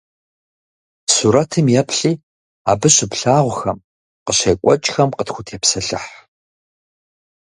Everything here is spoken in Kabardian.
Сурэтым еплъи абы щыплъагъухэм, къыщекӏуэкӏхэм къытхутепсэлъыхь.